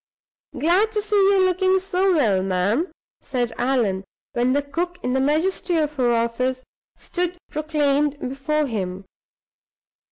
"Glad to see you looking so well, ma'am," said Allan, when the cook, in the majesty of her office, stood proclaimed before him.